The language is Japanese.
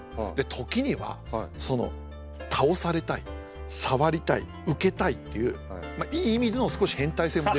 時にはその倒されたい触りたい受けたいっていういい意味での少し変態性も出るぐらい。